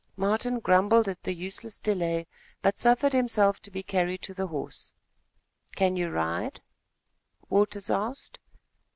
Martin grumbled at the useless delay, but suffered himself to be carried to the horse. "Can you ride?" Waters asked.